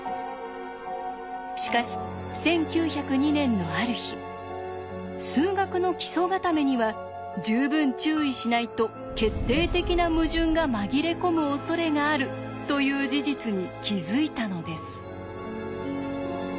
しかし１９０２年のある日数学の基礎固めには十分注意しないと決定的な矛盾が紛れ込むおそれがあるという事実に気づいたのです。